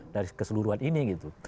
dari keseluruhan ini gitu